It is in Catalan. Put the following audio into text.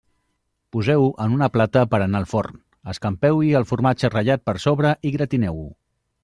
Poseu-ho en una plata per a anar al forn, escampeu-hi el formatge ratllat per sobre i gratineu-ho.